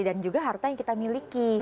dan juga harta yang kita miliki